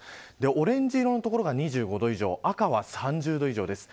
オレンジ色の所が２５度以上赤は３０度以上です。